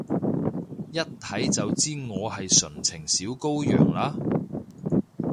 一睇就知我係純情小羔羊啦？